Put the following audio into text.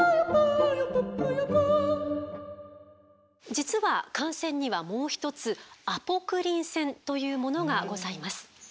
実は汗腺にはもう一つアポクリン腺というものがございます。